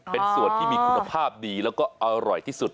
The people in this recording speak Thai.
เป็นส่วนที่มีคุณภาพดีแล้วก็อร่อยที่สุด